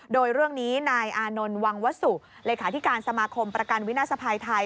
โดยเรื่องนี้นายอานนท์วังวสุเลขาธิการสมาคมประกันวินาศภัยไทย